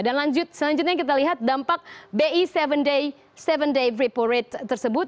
dan selanjutnya kita lihat dampak bi tujuh day ripple rate tersebut